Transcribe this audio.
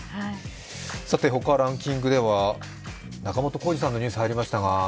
ほかランキングでは、仲本工事さんのニュースが入りましたが。